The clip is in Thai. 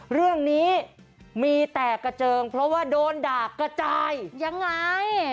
เรื่องนี้มีแตกกระเจิงเพราะว่าโดนด่ากระจายยังไง